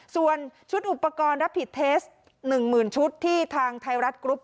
ส่วนชุดอุปกรณ์รับผิดเทส๑๐๐๐ชุดที่ทางไทยรัฐกรุ๊ป